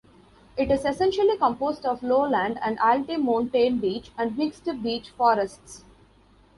It is essentially composed of lowland and alti-montane beech and mixed beech forests.